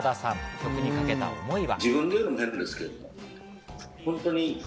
曲にかけた思いは。